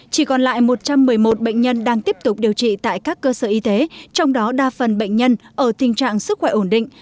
chỉ còn lại một trăm một mươi một bệnh nhân đang tiếp tục điều trị tại các cơ sở y tế trong đó đa phần bệnh nhân ở tình trạng sức khỏe ổn định